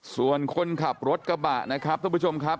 ส่วนคนขับรถกระบะนะครับท่านผู้ชมครับ